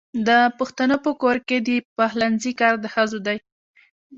د پښتنو په کور کې د پخلنځي کار د ښځو دی.